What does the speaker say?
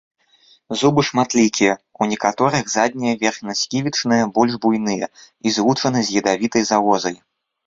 Зубы шматлікія, у некаторых заднія верхнясківічныя больш буйныя і злучаны з ядавітай залозай.